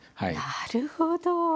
なるほど。